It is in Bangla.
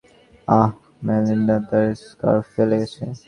আহ, মেলিন্ডাতার স্কার্ফ ফেলে গেছে।